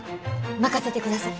任せてください！